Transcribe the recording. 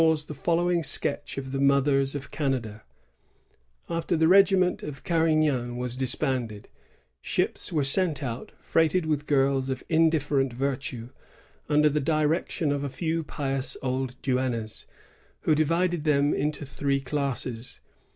] ASPERSIONS OF LA HONTAK 17 the following sketch of the mothers of Canada: "After the regiment of Carignan was disbanded, ships were sent out freighted with girls of indiffer ent virtue, under the direction of a few pious old duennas, who divided them into three classes.